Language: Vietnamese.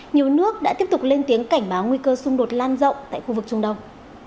nhiều nước đã tiếp tục lên tiếng cảnh báo nguy cơ xung đột lan rộng tại khu vực trung đông